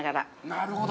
なるほど。